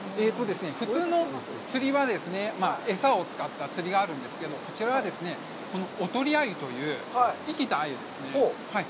普通の釣りは、餌を使った釣りがあるんですけれど、こちらは、このおとりアユという生きたアユですね。